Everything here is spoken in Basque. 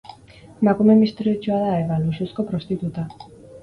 Emakume misteriotsua da Eva, luxuzko prostituta.